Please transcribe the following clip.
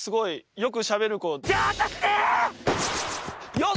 よっ！